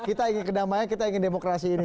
kita ingin kedamaian kita ingin demokrasi ini